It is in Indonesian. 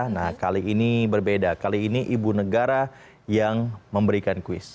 nah kali ini berbeda kali ini ibu negara yang memberikan kuis